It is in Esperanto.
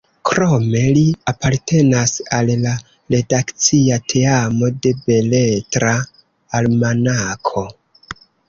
Krome, li apartenas al la redakcia teamo de Beletra Almanako.